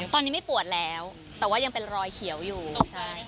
ตอนนี้ไม่ปวดแล้วแต่ว่ายังเป็นรอยเขียวอยู่ใช่